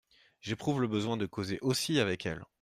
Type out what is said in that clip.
J’éprouve le besoin de causer aussi avec elle !…